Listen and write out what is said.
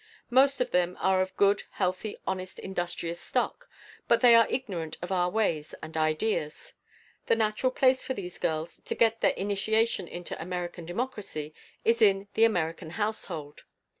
Most of them are of good, healthy, honest, industrious stock, but they are ignorant of our ways and ideas. The natural place for these girls to get their initiation into American democracy is in the American household.